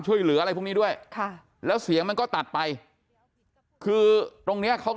ช่วยเหลืออะไรพวกนี้ด้วยค่ะแล้วเสียงมันก็ตัดไปคือตรงเนี้ยเขาก็